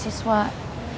terima kasih wak